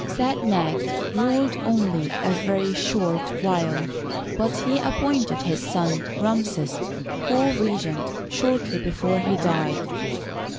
Set necht ruled only a very short while, but he ap pointed his son, Ramses, co regent shortly before he died.